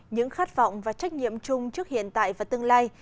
những khát vọng và trách nhiệm chung trước hiện tại và tương lai